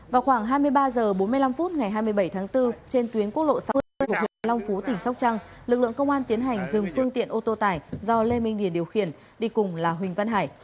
vào khoảng hai mươi ba h bốn mươi năm phút ngày hai mươi bảy tháng bốn trên tuyến quốc lộ sáu mươi của huyện long phú tỉnh sóc trăng lực lượng công an tiến hành dừng phương tiện ô tô tải do lê minh hiền điều khiển đi cùng là huỳnh văn hải